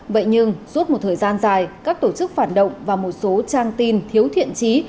vậy nhưng suốt một thời gian dài các tổ chức phản động và một số trang tin thiếu thiện trí